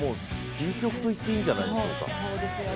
究極といっていいんじゃないでしょうか。